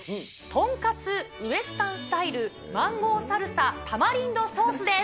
とんかつウェスタンスタイルマンゴーサルサ・タマリンドソースです。